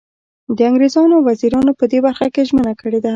د انګریزانو وزیرانو په دې برخه کې ژمنه کړې ده.